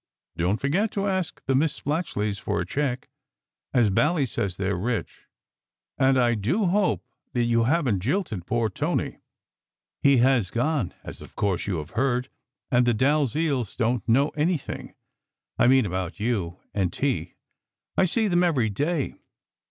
Don t forget to ask the Miss Splatchleys for a cheque, as Bally says they re rich; and I do hope you haven t jilted poor Tony. He has gone, as of course you have heard, and the Dalziels don t know anything I mean about you and T I see them every day.